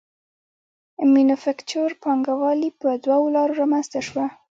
مینوفکچور پانګوالي په دوو لارو رامنځته شوه